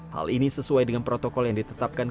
hal ini sesuai dengan protokol yang ditetapkan